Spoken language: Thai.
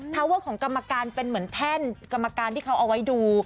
เวอร์ของกรรมการเป็นเหมือนแท่นกรรมการที่เขาเอาไว้ดู